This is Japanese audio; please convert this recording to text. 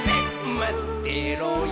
まってろよ−！